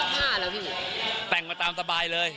เสื้อผ้าแล้วพี่หนูแต่งมาตามสบายเลย